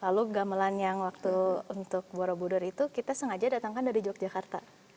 lalu gamelan yang waktu untuk borobudur itu kita sengaja datangkan dari yogyakarta